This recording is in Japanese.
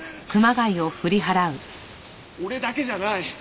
俺だけじゃない。